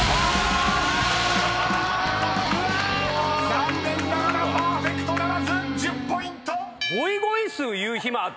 ［残念ながらパーフェクトならず１０ポイント！］